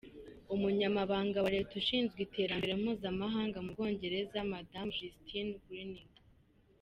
Umunyamabanga wa Leta ushinzwe iterambere mpuzamahanga mu Bwongereza, madamu Justine Greening.